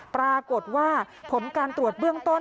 ปรากฏว่าผลการตรวจเบื้องต้น